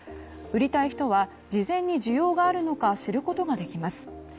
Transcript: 売りたい人は事前に需要があるのか知ることができます。